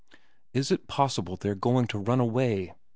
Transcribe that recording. ' Is it possible they're going to run away